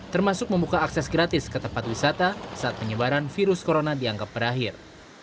termasuk membuka akses gratis ke tempat wisata saat penyebaran virus corona dianggap berakhir